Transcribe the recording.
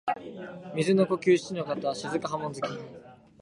水の呼吸漆ノ型雫波紋突き（しちのかたしずくはもんづき）